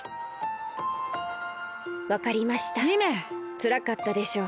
つらかったでしょう。